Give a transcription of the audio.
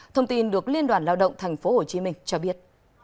thông tin được liên đoàn lao động tp hcm cho biết